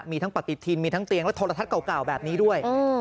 มีทั้งปฏิทินมีทั้งเตียงและโทรทัศน์เก่าแบบนี้ด้วย